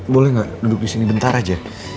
boleh gak duduk disini bentar aja